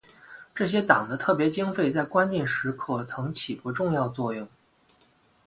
这些党的特别经费在关键时刻曾起过重要作用。